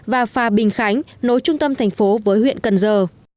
và phà bình khánh nối trung tâm thành phố với huyện cần giờ